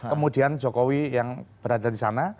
kemudian jokowi yang berada di sana